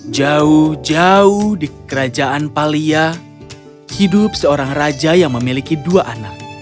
jauh jauh di kerajaan palia hidup seorang raja yang memiliki dua anak